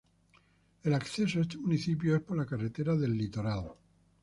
El acceso a este municipio es por la Carretera de El Litoral.